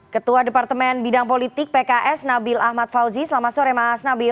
ketua departemen bidang politik pks nabil ahmad fauzi selamat sore mas nabil